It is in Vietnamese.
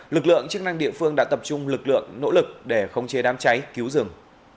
lực lượng chức năng địa phương đã tập trung lực lượng nỗ lực để khống chế đám cháy cứu rừng